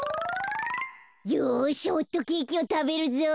よしホットケーキをたべるぞ。